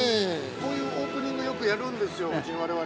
こういうオープニングよくやるんですよ、夫人、我々。